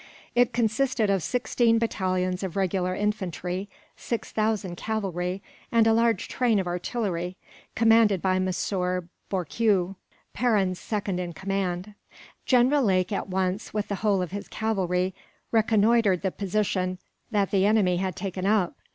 It consisted of sixteen battalions of regular infantry, six thousand cavalry, and a large train of artillery; commanded by Monsieur Bourquieu, Perron's second in command. General Lake at once, with the whole of his cavalry, reconnoitred the position that the enemy had taken up.